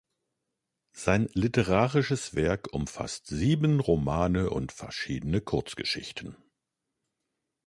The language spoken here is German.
Sein literarisches Werk umfasst sieben Romane und verschiedene Kurzgeschichten.